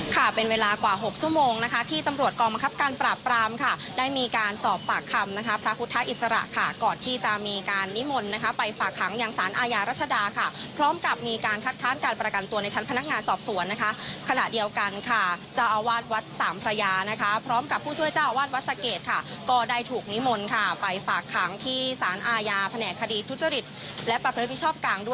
ค่ะเป็นเวลากว่า๖ชั่วโมงนะคะที่ตำรวจกองมังคับการปราบปรามค่ะได้มีการสอบปากคำนะคะพระพุทธาอิสระค่ะก่อนที่จะมีการนิมนต์นะคะไปฝากขังอย่างสารอายารัชดาค่ะพร้อมกับมีการคัดคล้านการประกันตัวในชั้นพนักงานสอบสวนนะคะขณะเดียวกันค่ะจะเอาวาดวัดสามพระยานะคะพร้อมกับผู้ช่วยจะเอาวาดวัดสเกตค่ะก็